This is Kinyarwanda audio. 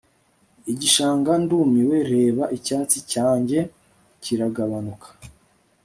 Igishanga Ndumiwe reba Icyatsi cyanjye kiragabanuka